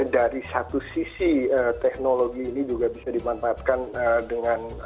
dari satu sisi teknologi ini juga bisa dimanfaatkan dengan